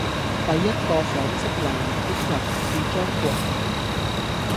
第一個賞識黎明的人是張國榮。